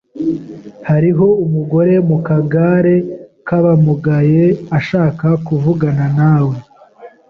Hariho umugore mu kagare k'abamugaye ashaka kuvugana nawe.